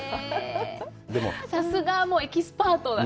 さすがエキスパートだ。